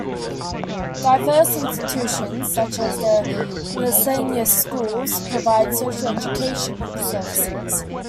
Diverse institutions, such as the miscellaneous schools, provide social education services.